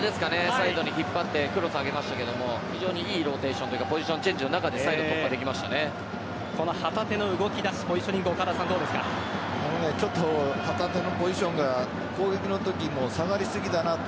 サイドに引っ張ってクロスを上げましたけど非常に良いローテーションというかポジションチェンジの中旗手の動き出し旗手のポジションが攻撃のときに下がりすぎだなと。